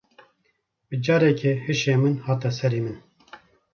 Bi carekê hişê min hate serê min.